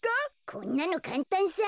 こんなのかんたんさ。